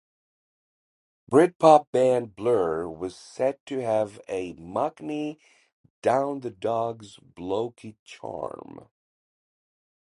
Britpop band Blur was said to have a "mockney, down-the-dogs blokey charm".